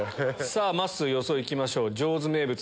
まっすー予想いきましょう。